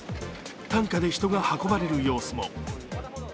担架で人が運ばれる様子も。